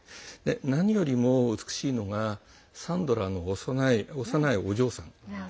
何よりも美しいのがサンドラの幼いお嬢さん。